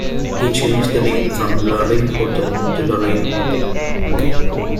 He changed the name from Lorraine Hotel to Lorraine Motel.